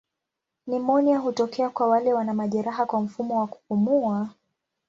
Nimonia hutokea kwa wale wana majeraha kwa mfumo wa kupumua.